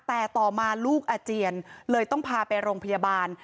แต่ต่อมาลูกอาเจียนเลยต้องพาไปโรงพยาบาล